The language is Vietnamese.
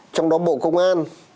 trong đó bộ công an